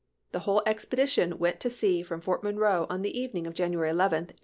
The whole expedition went to sea from Fort Monroe on the evening of January 11, 1862.